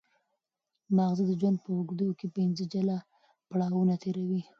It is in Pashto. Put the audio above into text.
ماغزه د ژوند په اوږدو کې پنځه جلا پړاوونه تېروي.